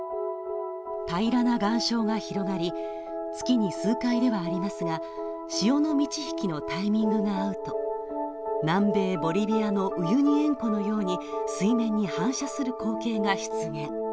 平らな岩礁が広がり、月に数回ではありますが、潮の満ち引きのタイミングが合うと、南米ボリビアのウユニ塩湖のように水面に反射する光景が出現。